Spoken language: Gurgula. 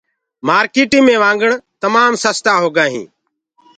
مآرڪيٚٽي مي وآگڻ تمآم سستآ هوندآ هينٚ